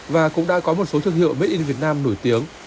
và cũng đã có một số thương hiệu made in việt nam nổi tiếng